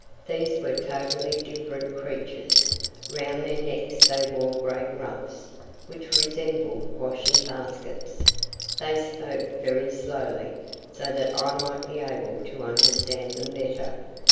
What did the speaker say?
These were totally different creatures. Round their necks they wore great ruffs, which resembled washing baskets. They spoke very slowly, so that I might be able to understand them better.